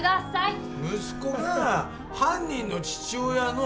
息子がさ犯人の父親の。